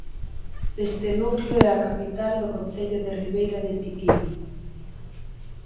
Este núcleo é a capital do concello de Ribeira de Piquín.